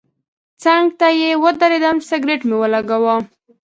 څنګ ته یې ودرېدم سګرټ مې ولګاوه.